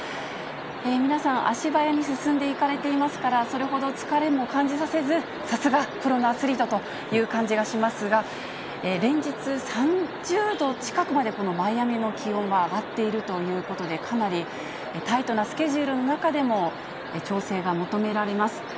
皆さん、足早に進んでいかれていますから、それほど疲れも感じさせず、さすがプロのアスリートという感じがしますが、連日、３０度近くまでマイアミの気温は上がっているということで、かなりタイトなスケジュールの中でも、調整が求められます。